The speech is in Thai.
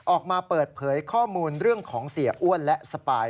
ออกมาเปิดเผยข้อมูลเรื่องของเสียอ้วนและสปาย